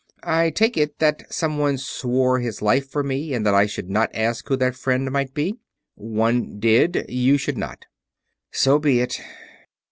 I take it that someone swore his life for me and that I should not ask who that friend might be." "One did. You should not." "So be it.